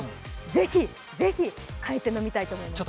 ぜひぜひ飲みたいと思います。